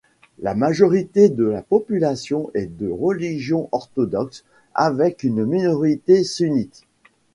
La majorité de la population est de religion orthodoxe avec une minorité sunnite.